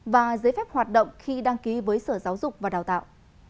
và giấy phép hoạt động khi đăng ký với sở giáo dục và đào tạo